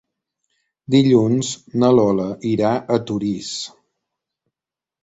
Dilluns na Lola irà a Torís.